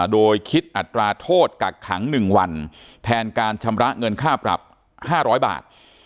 โดยคิดอัตราโทษกักขัง๑วันแทนการชำระเงินค่าปรับ๕๐๐บาท